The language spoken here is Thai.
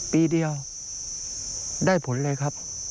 ปีเดียวได้ผลเลยครับ